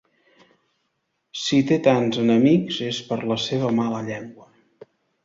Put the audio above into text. Si té tants enemics és per la seva mala llengua.